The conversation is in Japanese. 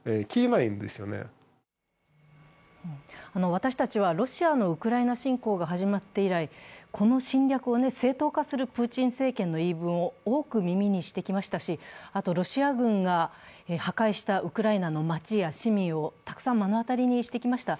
私たちはロシアのウクライナ侵攻が始まって以来、この侵略を正当化するプーチン政権の言い分を多く耳にしてきましたし、あとロシア軍が破壊したウクライナの街をたくさん目の当たりにしてきました。